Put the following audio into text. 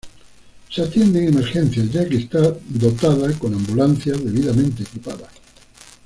Se atienden emergencias ya que está dotada con ambulancias debidamente equipadas.